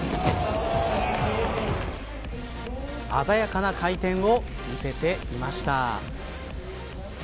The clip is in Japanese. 鮮やかな回転を見せていました。